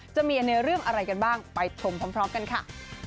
จะมีในเรื่องอะไรกันบ้างไปชมพร้อมกันค่ะ